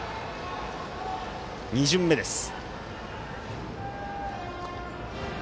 ２巡目です。